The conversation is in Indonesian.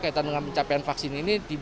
kaitan dengan pencapaian vaksin ini